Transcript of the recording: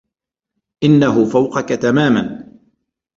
إنه فوقك تماما.